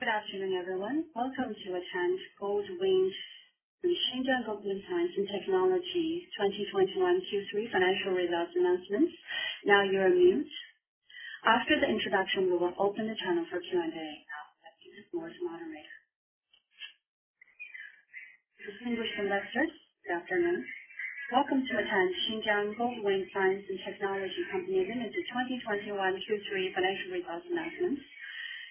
Good afternoon, everyone. Welcome to attend Xinjiang Goldwind Science & Technology 2021 Q3 financial results announcements. After the introduction, we will open the channel for Q&A. Distinguished investors, good afternoon. Welcome to attend Xinjiang Goldwind Science & Technology Company Limited 2021 Q3 financial results announcements.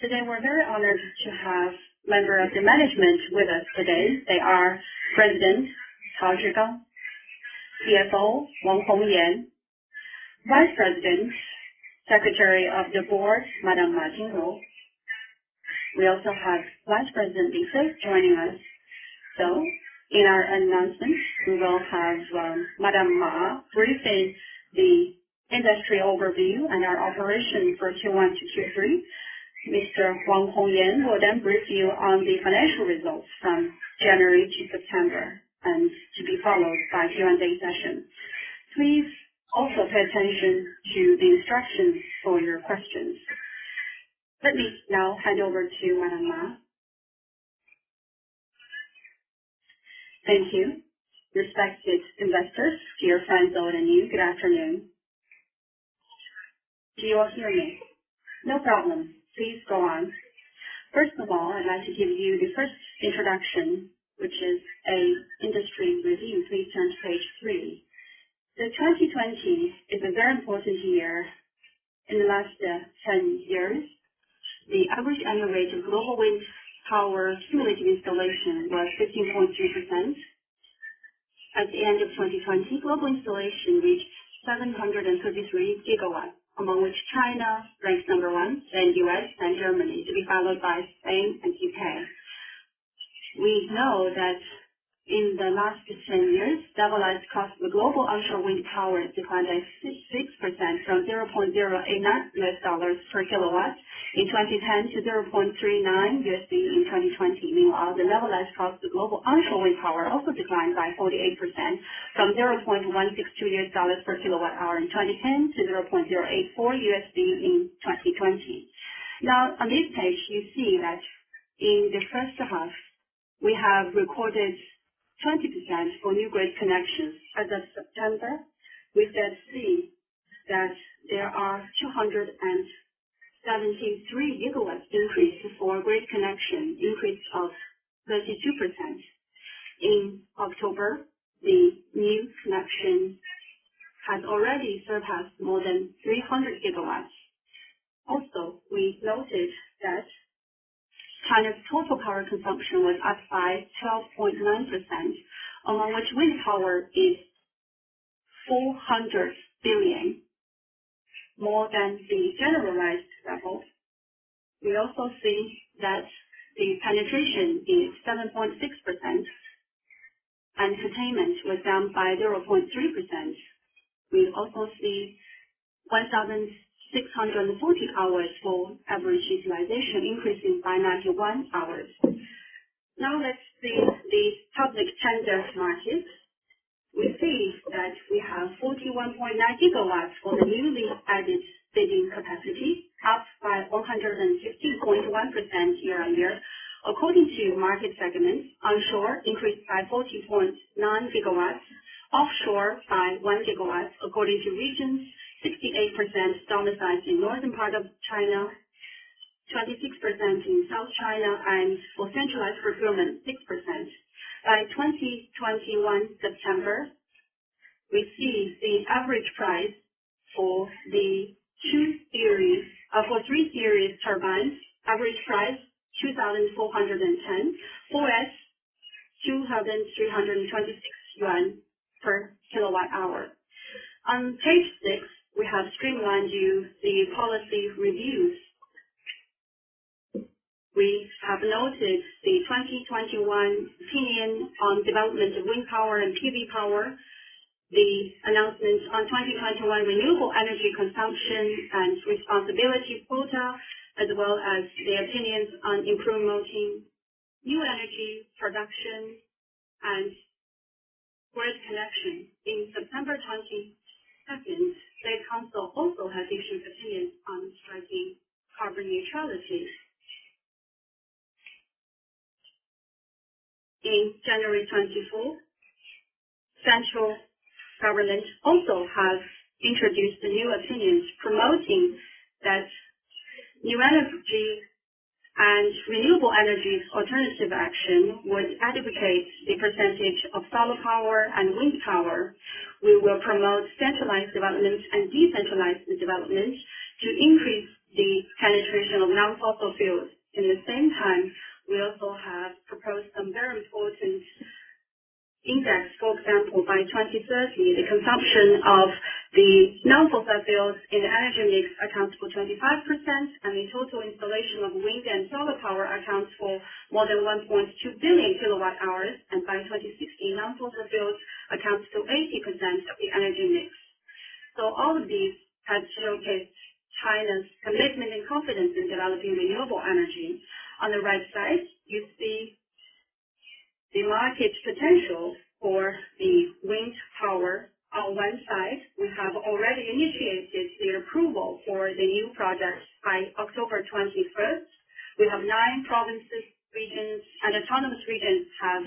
Today we're very honored to have members of the management with us today. They are President Cao Zhigang, CFO Wang Hongyan, Vice President, Secretary of the Board, Madam Ma Jinru. We also have Vice President Li Fei joining us. In our announcements, we will have Madam Ma briefing the industry overview and our operation for Q1 to Q3. Mr. Wang Hongyan will then brief you on the financial results from January to September, and to be followed by Q&A session. Please also pay attention to the instructions for your questions. Let me now hand over to Madam Ma. Thank you. Respected investors, dear friends, ladies and you, good afternoon. Do you all hear me? No problem. Please go on. First of all, I'd like to give you the first introduction, which is an industry review. Please turn to page three. The 2020 is a very important year in the last 10 years. The average annual rate of global wind power cumulative installation was 15.2%. At the end of 2020, global installation reached 733 GW, among which China ranks number one, then U.S., then Germany, followed by Spain and U.K. We know that in the last 10 years, levelized cost of global onshore wind power declined by 66% from $0.089 per kW in 2010 to $0.39 in 2020. Meanwhile, the levelized cost of global onshore wind power also declined by 48% from $0.162 per kWh in 2010 to $0.084 in 2020. Now, on this page you see that in the first half we have recorded 20% for new grid connections. As of September, we can see that there are 273 GW increase for grid connection, increase of 32%. In October, the new connection has already surpassed more than 300 GW. We noted that China's total power consumption was up by 12.9%, among which wind power is 400 billion, more than the general level. We also see that the penetration is 7.6% and curtailment was down by 0.3%. We also see 1,640 hours for average utilization, increasing by 91 hours. Now let's see the public tender market. We see that we have 41.9 GW for the newly added bidding capacity, up by 115.1% year-on-year. According to market segments, onshore increased by 14.9 GW, offshore by 1 GW. According to regions, 68% in northern part of China, 26% in South China, and for centralized procurement, 6%. By September 2021, we see the average price for the two series... For three series turbines, average price 2,410 versus 2,326 yuan per kWh. On page six, we have streamlined for you the policy reviews. We have noted the 2021 opinion on development of wind power and PV power, the announcement on 2021 renewable energy consumption and responsibility quota, as well as the opinions on promoting new energy production and grid connection. In September 22nd, the council also has issued opinions on achieving carbon neutrality. In January 24, central government also has introduced the new opinions promoting the New Energy and Renewable Energy Substitution Action that would advocate the percentage of solar power and wind power. We will promote centralized development and decentralized development to increase the penetration of non-fossil fuels. At the same time, we also have proposed some very important index. For example, by 2030, the consumption of the non-fossil fuels in the energy mix accounts for 25%, and the total installation of wind and solar power accounts for more than 1.2 billion kWh. By 2060, non-fossil fuels accounts to 80% of the energy mix. All of these have showcased China's commitment and confidence in developing renewable energy. On the right side, you see. The market potential for the wind power. On one side, we have already initiated the approval for the new project by October 21st. We have nine provinces, regions, and autonomous regions have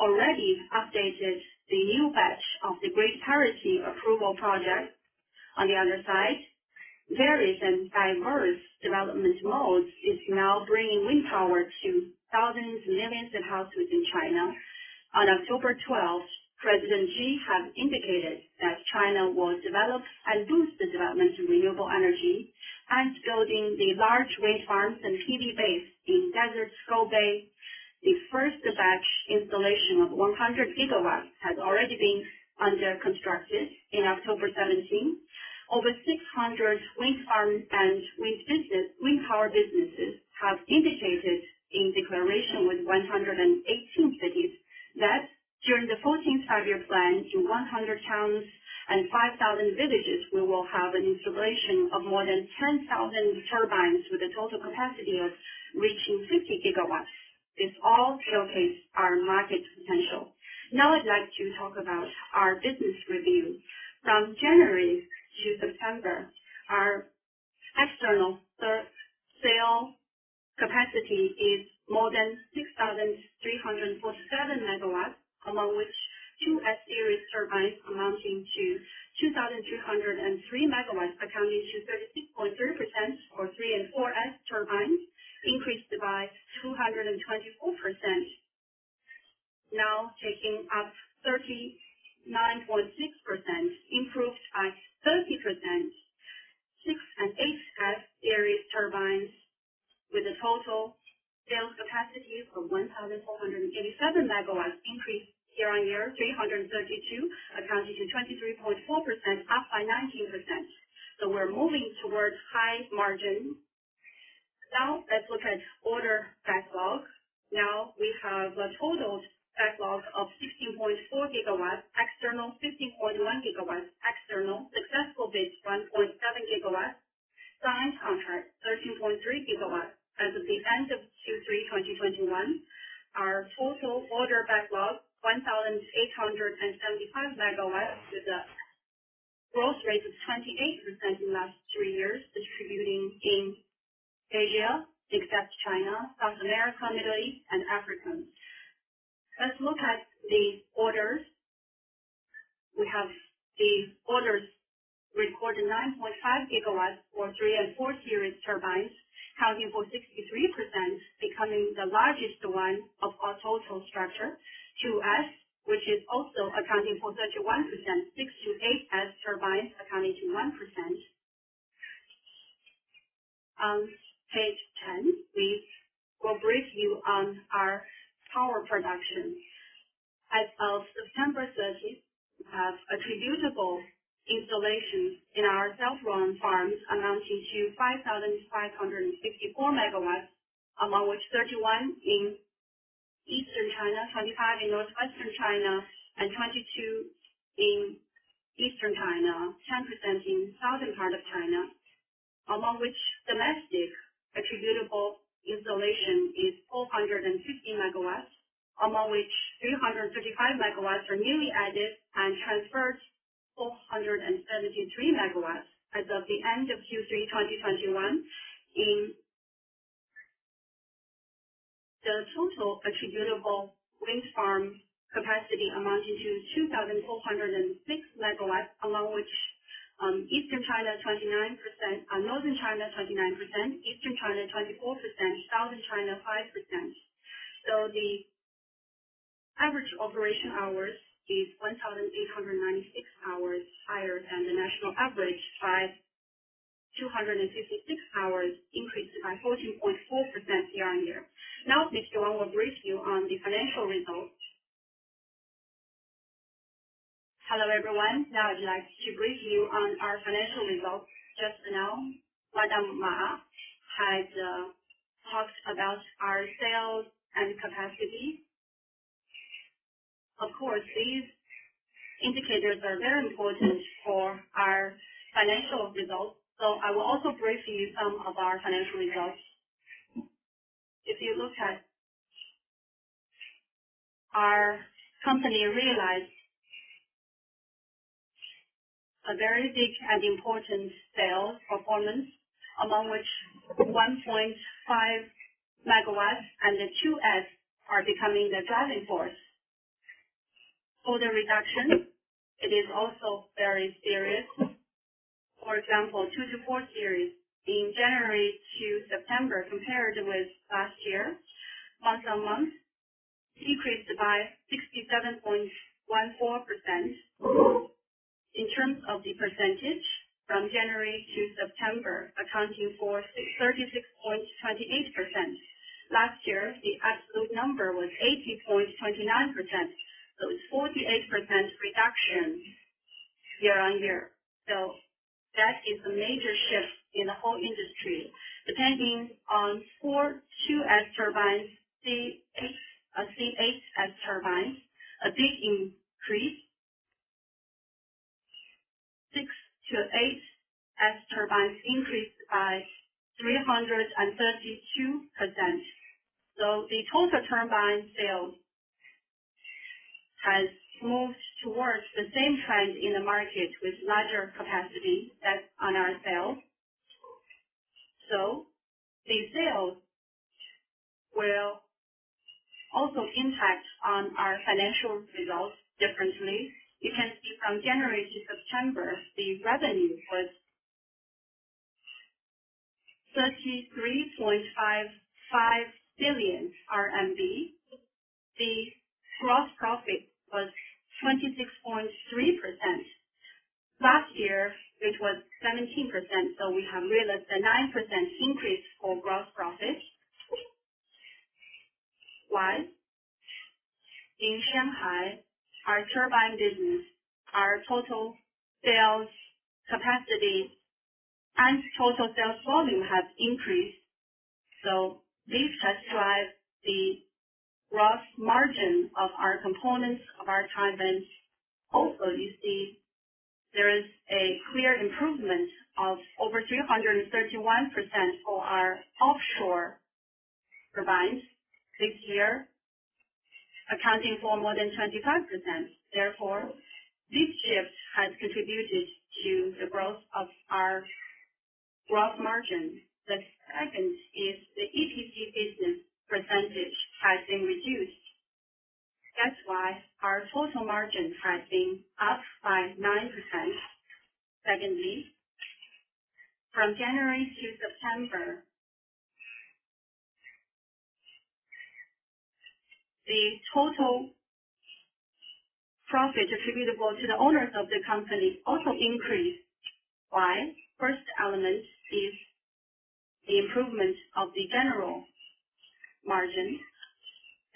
already updated the new batch of the grid parity approval project. On the other side, various and diverse development modes is now bringing wind power to thousands and millions of households in China. On October 12th, President Xi has indicated that China will develop and boost the development of renewable energy and building the large wind farms and PV base in desert Gobi. The first batch installation of 100 GW has already been under construction in October 17. Over 600 wind farms and wind power businesses have indicated in declaration with 118 cities that during the Fourteenth Five-Year Plan, in 100 towns and 5,000 villages, we will have an installation of more than 10,000 turbines with a total capacity of reaching 50 GW. This all showcase our market potential. Now I'd like to talk about our business review. From January to September, our external sale capacity is more than 6,347 MW, among which 2S series turbines amounting to 2,203 MW, accounting for 36.3% for 3S and 4S turbines, increased by 224%. Now taking up 39.6%, improved by 30%. 6S and 8S series turbines with a total sales capacity of 1,487 MW, increased year-on-year 332%, accounting for 23.4%, up by 19%. We're moving towards high margin. Now let's look at order backlog. Now we have a total backlog of 16.4 GW external, 15.1 GW external. Successful bids 1.7 GW. Signed contract, 13.3 GW. As of the end of Q3 2021, our total order backlog, 1,875 MW, with a growth rate of 28% in last three years, distributing in Asia except China, South America, Middle East, and Africa. Let's look at the orders. We have the orders recorded 9.5 GW for 3S and 4S series turbines, accounting for 63%, becoming the largest one of our total structure. 2S, which is also accounting for 31%. 6S to 8S turbines accounting 1%. On page 10, we will brief you on our power production. As of September 30, we have attributable installations in our self-run farms amounting to 5,564 MW, among which 31% in Eastern China, 25% in Northwestern China, and 22% in Eastern China, 10% in southern part of China. Among which domestic attributable installation is 450 MW, among which 355 MW are newly added and transferred 473 MW. As of the end of Q3 2021, the total attributable wind farm capacity amounting to 2,406 MW, among which, Eastern China 29%, Northern China 29%, Eastern China 24%, Southern China 5%. The average operation hours is 1,896 hours higher than the national average by 256 hours, increased by 14.4% year-on-year. Now Mr. Wang will brief you on the financial results. Hello, everyone. Now I'd like to brief you on our financial results. Just now, Madam Ma has talked about our sales and capacity. Of course, these indicators are very important for our financial results, so I will also brief you some of our financial results. If you look at our company realized a very big and important sales performance, among which 1.5 MW and the 2S are becoming the driving force. Order reduction, it is also very serious. For example, 2S-4S series in January to September, compared with last year, month-on-month decreased by 67.14%. In terms of the percentage from January to September, accounting for 36.28%. Last year, the absolute number was 80.29%. It's 48% reduction year-on-year. That is a major shift in the whole industry, depending on 4S, 2S turbines, 6S, 8S turbines, a big increase. The 8S turbines increased by 332%. The total turbine sales has moved towards the same trend in the market with larger capacity that's on our sales. The sales will also impact on our financial results differently. You can see from January to September, the revenue was CNY 33.55 billion. The gross profit was 26.3%. Last year it was 17%, so we have realized a 9% increase for gross profit. Why? In Shanghai, our turbine business, our total sales capacity and total sales volume has increased. This has driven the gross margin of our components of our turbines. Also, you see there is a clear improvement of over 331% for our offshore turbines this year, accounting for more than 25%. Therefore, this shift has contributed to the growth of our gross margin. The second is the EPC business percentage has been reduced. That's why our total margin has been up by 9%. Secondly, from January to September, the total profit attributable to the owners of the company also increased. Why? First element is the improvement of the general margin.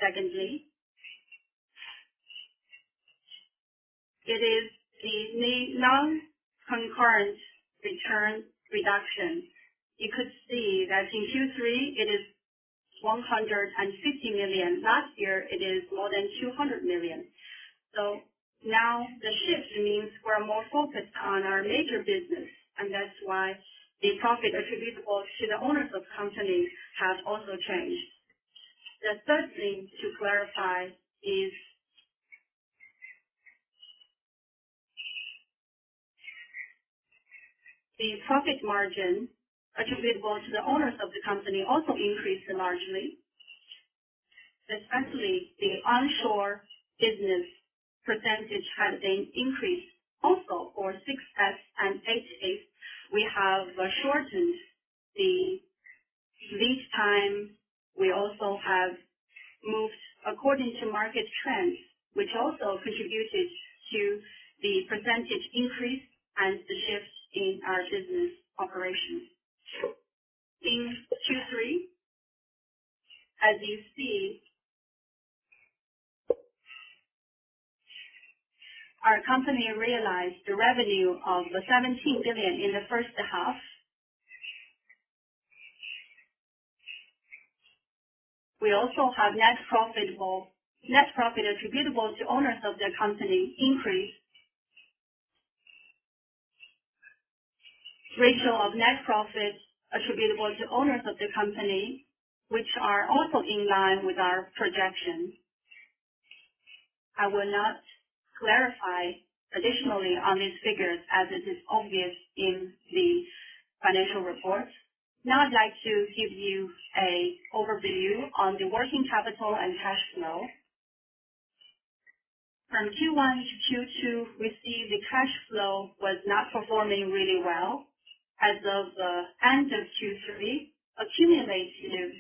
Secondly, it is the non-concurrence return reduction. You could see that in Q3 it is 150 million. Last year it is more than 200 million. Now the shift means we're more focused on our major business, and that's why the profit attributable to the owners of company has also changed. The third thing to clarify is the profit margin attributable to the owners of the company also increased largely, especially the onshore business percentage has been increased also for 6S and 8S. We have shortened the lead time. We also have moved according to market trends, which also contributed to the percentage increase and the shifts in our business operations. In Q3, as you see, our company realized a revenue of 17 billion in the first half. Net profit attributable to owners of the company increased. Ratio of net profit attributable to owners of the company, which are also in line with our projections. I will not clarify additionally on these figures as it is obvious in the financial report. Now I'd like to give you an overview on the working capital and cash flow. From Q1 to Q2, we see the cash flow was not performing really well. As of the end of Q3, cumulative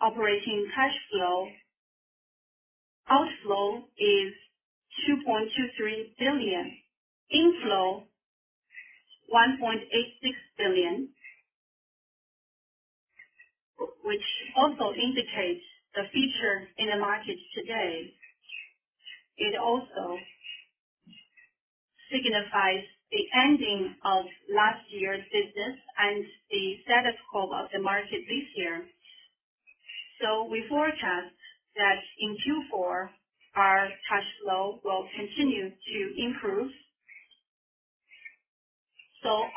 operating cash flow outflow is 2.23 billion, inflow 1.86 billion, which also indicates the features in the market today. It also signifies the ending of last year's business and the status quo of the market this year. We forecast that in Q4 our cash flow will continue to improve.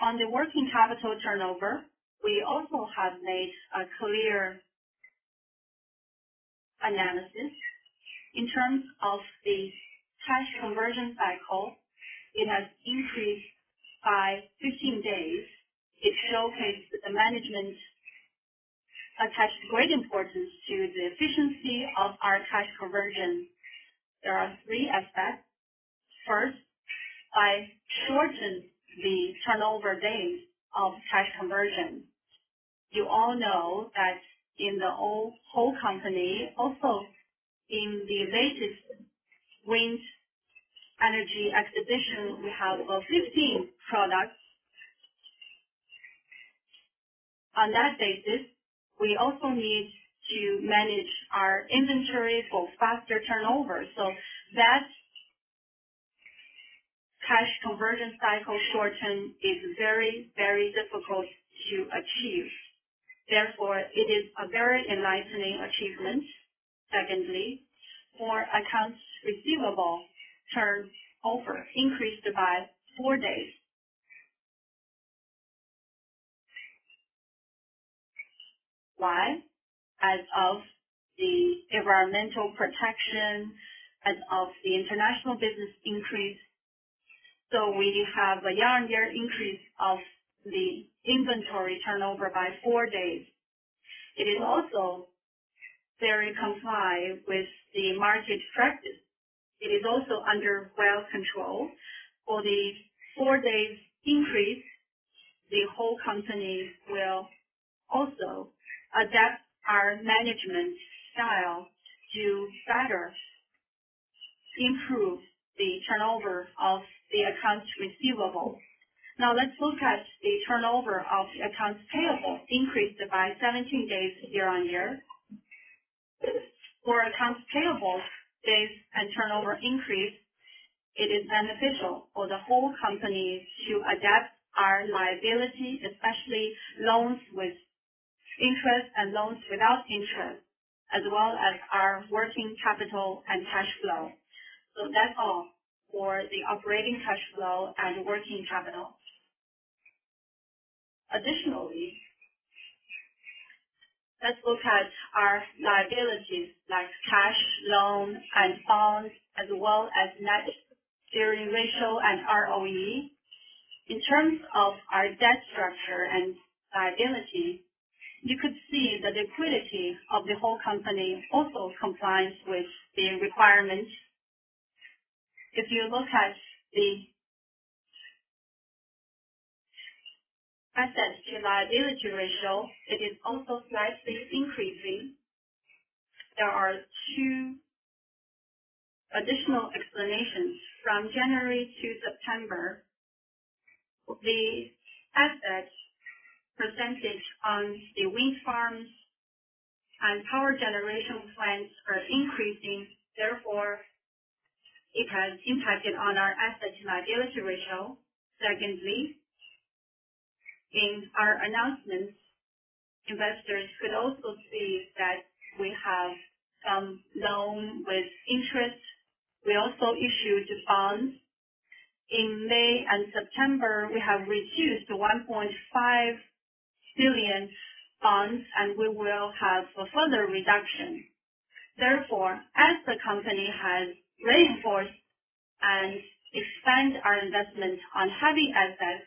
On the working capital turnover, we also have made a clear analysis. In terms of the cash conversion cycle, it has increased by 15 days. It showcases the management attaches great importance to the efficiency of our cash conversion. There are three aspects. First, by shorten the turnover days of cash conversion. You all know that in the whole company, also in the latest wind energy exhibition, we have over 15 products. On that basis, we also need to manage our inventories for faster turnover. That cash conversion cycle shorten is very, very difficult to achieve. Therefore, it is a very enlightening achievement. Secondly, for accounts receivable turnover increased by four days. Why? As for the Environmental Protection, as for the international business increase. We have a year-on-year increase of the inventory turnover by four days. It is also very compliant with the market practice. It is also well under control for the four days increase. The whole company will also adapt our management style to better improve the turnover of the accounts receivable. Now let's look at the turnover of the accounts payable, increased by 17 days year-on-year. For accounts payable days and turnover increase, it is beneficial for the whole company to adapt our liability, especially loans with interest and loans without interest, as well as our working capital and cash flow. That's all for the operating cash flow and working capital. Additionally, let's look at our liabilities like cash, loans, and bonds, as well as net gearing ratio and ROE. In terms of our debt structure and liability, you could see the liquidity of the whole company also complies with the requirements. If you look at the asset to liability ratio, it is also slightly increasing. There are two additional explanations. From January to September, the asset percentage on the wind farms and power generation plants are increasing, therefore, it has impacted on our asset to liability ratio. Secondly, in our announcements, investors could also see that we have some loan with interest. We also issued bonds. In May and September, we have reduced CNY 1.5 billion bonds, and we will have a further reduction. Therefore, as the company has reinforced and expand our investment on heavy assets,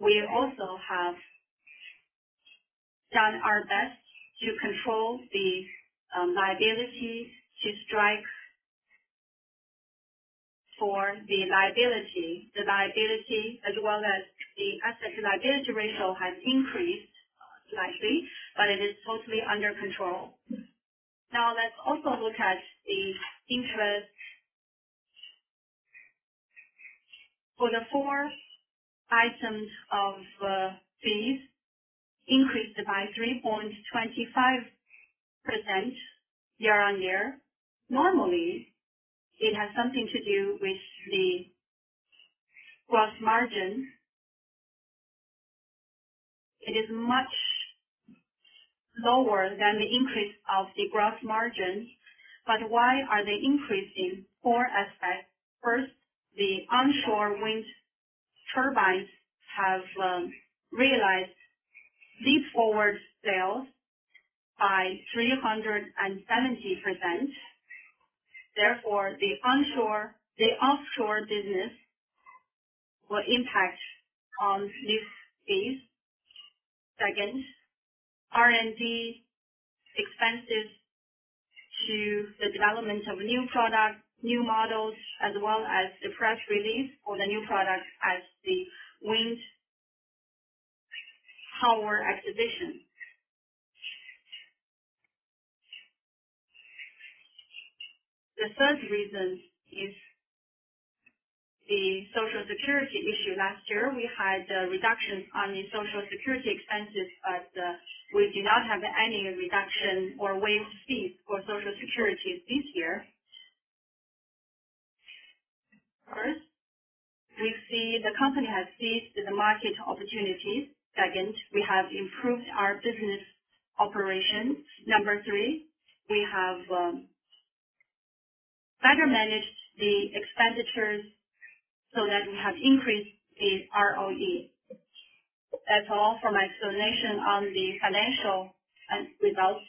we also have done our best to control the liability to strike for the liability. The liability as well as the asset to liability ratio has increased slightly, but it is totally under control. Now, let's also look at the interest. For the four items of fees increased by 3.25% year-on-year. Normally, it has something to do with the gross margin. It is much lower than the increase of the gross margin. Why are they increasing? Four aspects. First, the onshore wind turbines have realized leap forward sales by 370%. Therefore, the offshore business will impact on this phase. Second, R&D expenses to the development of new products, new models, as well as the press release for the new products at the wind power exhibition. The third reason is the Social Security issue. Last year, we had a reduction on the Social Security expenses, but we do not have any reduction or waived fees for Social Security this year. First, we see the company has seized the market opportunities. Second, we have improved our business operations. Number three, we have better managed the expenditures so that we have increased the ROE. That's all for my explanation on the financial end results.